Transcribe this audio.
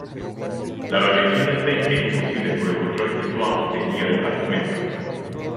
La reelección de Feng era imposible por el control que Duan tenía del Parlamento.